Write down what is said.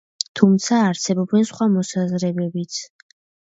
თუმცა, არსებობენ სხვა მოსაზრებებიც.